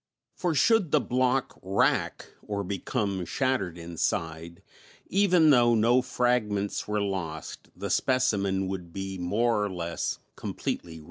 For should the block "rack," or become shattered inside, even though no fragments were lost, the specimen would be more or less completely ruined.